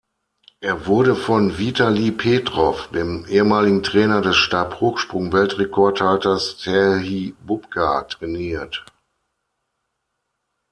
Er wurde von Witali Petrow, dem ehemaligen Trainer des Stabhochsprung-Weltrekordhalters Serhij Bubka, trainiert.